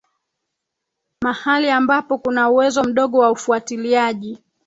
mahali ambapo kuna uwezo mdogo wa ufuatiliaji